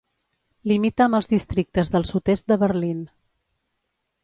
Limita amb els districtes del sud-est de Berlin.